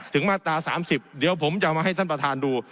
ถึงมาตราสามสิบเดี๋ยวผมจะมาให้ท่านประธานดู